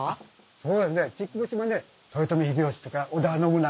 そうですね竹生島ね豊臣秀吉とか織田信長